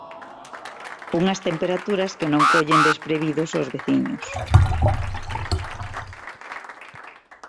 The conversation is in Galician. Unhas temperaturas que non collen desprevidos os veciños.